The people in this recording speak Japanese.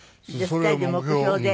２人で目標で。